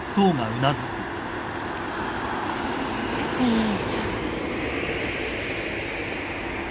ハァ捨ててないじゃん。